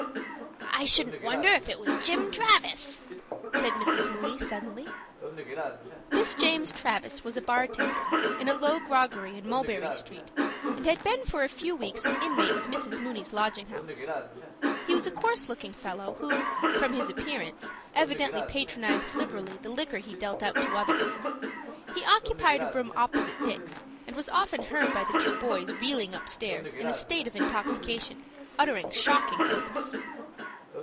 "I shouldn't wonder if it was Jim Travis," said Mrs. Mooney, suddenly. This James Travis was a bar tender in a low groggery in Mulberry Street, and had been for a few weeks an inmate of Mrs. Mooney's lodging house. He was a coarse looking fellow who, from his appearance, evidently patronized liberally the liquor he dealt out to others. He occupied a room opposite Dick's, and was often heard by the two boys reeling upstairs in a state of intoxication, uttering shocking oaths.